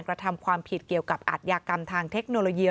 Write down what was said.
กระทำความผิดเกี่ยวกับอัธยากรรมทางเทคโนโลยี